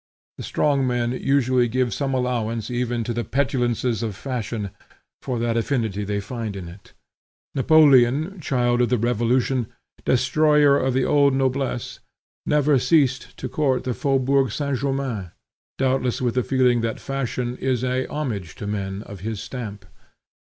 The strong men usually give some allowance even to the petulances of fashion, for that affinity they find in it. Napoleon, child of the revolution, destroyer of the old noblesse, never ceased to court the Faubourg St. Germain; doubtless with the feeling that fashion is a homage to men of his stamp.